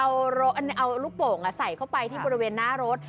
เอาลูกโป่งใส่เข้าไปที่บริเวณหน้ารถ